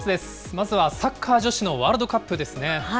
まずはサッカー女子のワールドカップですね。